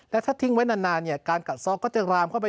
และถ้าทิ้งไว้นานเนี่ยการกัดซ้อก็จะรามเข้าไป